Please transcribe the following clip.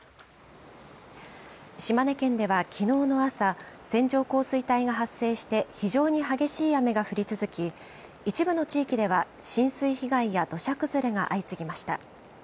島根県ではきのうの朝、線状降水帯が発生して、非常に激しい雨が降り続き、一部の地域では浸水被害や土砂崩れが相次ぎました。